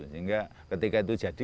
sehingga ketika itu jadi